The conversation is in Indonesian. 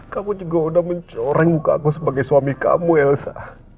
kamu juga sudah mencoreng muka aku sebagai suami kamu yeltsa